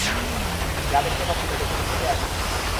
যা দেখতে পাচ্ছি তাতে চোখে ঘুম আসে না।